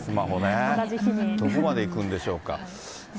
どこまでいくんでしょうか。